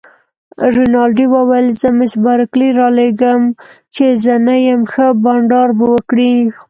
رینالډي وویل: زه مس بارکلي رالېږم، چي زه نه یم، ښه بانډار به وکړئ.